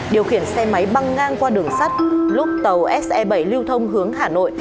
điều khiển xe máy băng ngang qua đường sắt lúc tàu se bảy lưu thông hướng hà nội